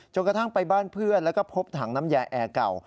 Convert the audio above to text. กระทั่งไปบ้านเพื่อนแล้วก็พบถังน้ำยาแอร์เก่า